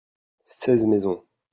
seize maisons.